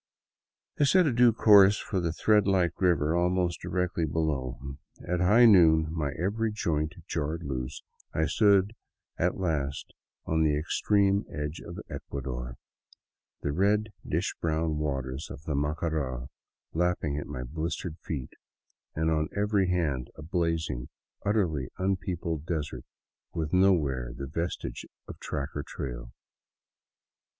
I set a due course for the thread like river almost directly below. At high noon, my every joint jarred loose, I stood at last on the extrenie edge of Ecuador, the red dish brown waters of the Macara lapping at my blistered feet, and on every hand a blazing, utterly unpeopled desert, with nowhere the vestige of track or trail.